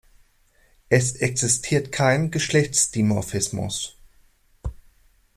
Es existiert kein Geschlechtsdimorphismus.